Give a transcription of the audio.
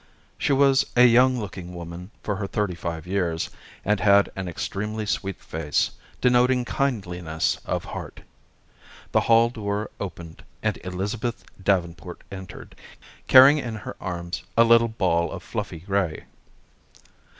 She was a young looking woman for her thirty five years, and had an extremely sweet face, denoting kindliness of heart. The hall door opened, and Elizabeth Davenport entered, carrying in her arms a little ball of fluffy gray.